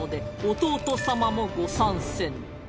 弟様もご参戦